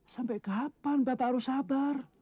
sampai kapan bapak harus sabar